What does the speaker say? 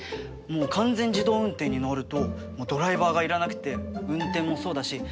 もう完全自動運転になるともうドライバーが要らなくて運転もそうだし